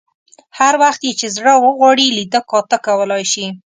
هر وخت یې چې زړه وغواړي لیده کاته کولای شي.